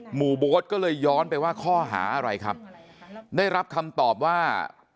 โบ๊ทก็เลยย้อนไปว่าข้อหาอะไรครับได้รับคำตอบว่า